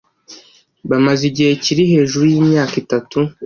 Bamaze igihe kiri hejuru y’imyaka itatu